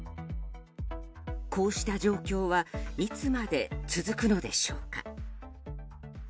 こうした状況はいつまで続くのでしょうか。